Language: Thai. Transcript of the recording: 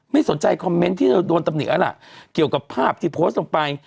ไม่สนใจคอมเม้นท์ที่โดนตำเนียนอะไรเกี่ยวกับภาพที่โพสต์ลงไป